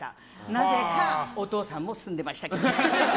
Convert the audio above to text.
なぜかお父さんも住んでましたけど。